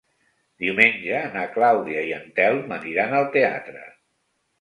Diumenge na Clàudia i en Telm aniran al teatre.